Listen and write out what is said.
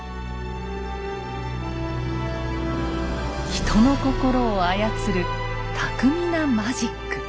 人の心を操る巧みなマジック。